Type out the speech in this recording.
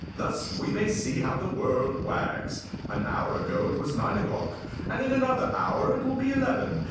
Thus we may see how the world wags. An hour ago it was nine o'clock, and in another hour it will be eleven.